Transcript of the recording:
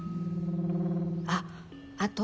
あっあと。